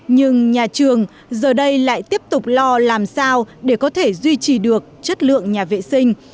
nhưng nhà trường giờ đây lại tiếp tục lo làm sao để có thể duy trì được chất lượng nhà vệ sinh